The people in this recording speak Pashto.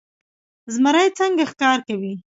زمری څنګه ښکار کوي؟